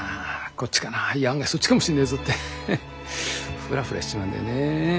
こっちかなぁいや案外そっちかもしんねえぞってフラフラしちまうんだよねえ。